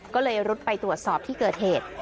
ก็เลยรุดไปตรวจสอบที่เกิดเหตุ